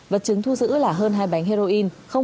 vật chứng thu giữ là hơn hai bánh heroin